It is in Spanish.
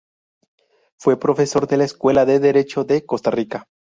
Fue profesor de la Escuela de Derecho de Costa Rica.